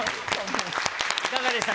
いかがでしたか。